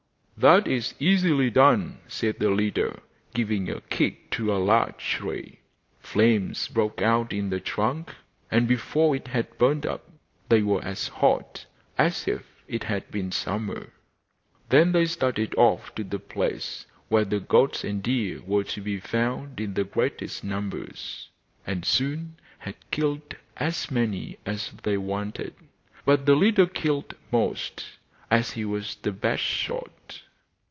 'That is easily done,' said the leader, giving a kick to a large tree. Flames broke out in the trunk, and before it had burnt up they were as hot as if it had been summer. Then they started off to the place where the goats and deer were to be found in the greatest numbers, and soon had killed as many as they wanted. But the leader killed most, as he was the best shot.